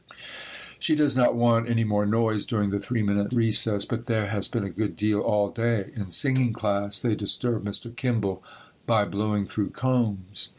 She does not want any noise during the three minute recess, but there has been a good deal all day. In singing class they disturbed Mr. Kimball by blowing through combs.